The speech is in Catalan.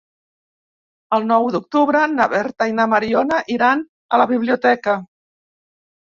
El nou d'octubre na Berta i na Mariona iran a la biblioteca.